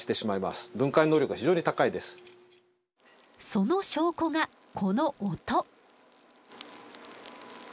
その証拠がこの音。